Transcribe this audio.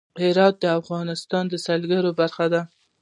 هرات د افغانستان د سیلګرۍ برخه ده.